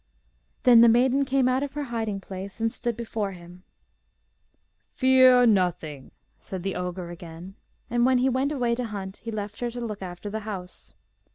Then the maiden came out of her hiding place, and stood before him. 'Fear nothing,' said the ogre again; and when he went away to hunt he left her to look after the house.